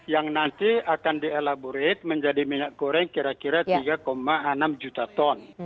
yang nanti akan dielaborate menjadi minyak goreng kira kira tiga enam juta ton